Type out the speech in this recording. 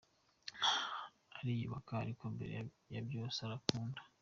Ariyubaha ariko mbere ya byose arankunda.